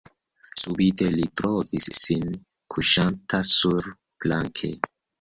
Subite li trovis sin kuŝanta surplanke.